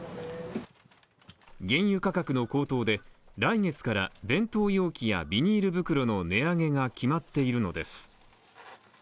原油価格の高騰で来月から弁当容器やビニール袋の値上げが決まっているのです。